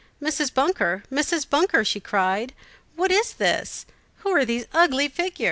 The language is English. "Mrs. Bunker, Mrs. Bunker," she cried, "what's this? who are these ugly figures?"